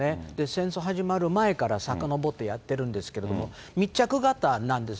戦争始まる前からさかのぼってやってるんですけども、密着型なんです。